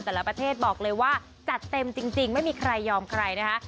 แต่ละประเทศบอกเลยว่าจัดเต็มจริงไม่มีใครยอมใครนะคะ